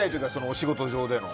お仕事上での。